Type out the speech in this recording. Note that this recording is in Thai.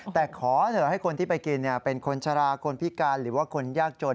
แต่ขอเถอะให้คนที่ไปกินเป็นคนชะลาคนพิการหรือว่าคนยากจน